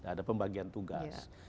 ada pembagian tugas